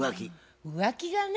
浮気がね